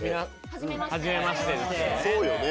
そうよね。